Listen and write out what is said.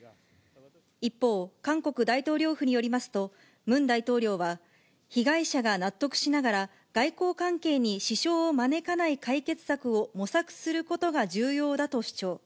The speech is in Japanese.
一方、韓国大統領府によりますと、ムン大統領は、被害者が納得しながら、外交関係に支障を招かない解決策を模索することが重要だと主張。